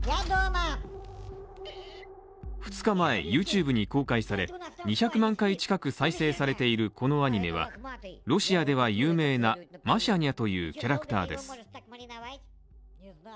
２日前、ＹｏｕＴｕｂｅに公開され２００万回近く再生されているこのアニメはロシアでは有名なマシャニャというキャラクターです。